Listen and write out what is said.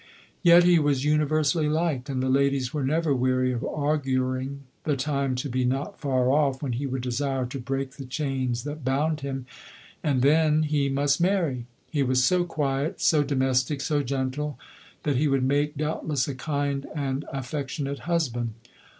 Yet he was universally liked, and the ladies were never weary of auguring the time to be not far off, when he would desire to break the chains that bound him ;— and then — he 92 LODORE. must marry. He was so quiet, so domestic, so gentle, that he would make, doubtless, a kind and affectionate husband.